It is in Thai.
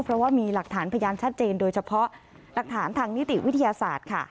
เพราะว่ามีหลักฐานพยานชัดเจนโดยเฉพาะหลักฐานทางนิติวิทยาศาสตร์ค่ะ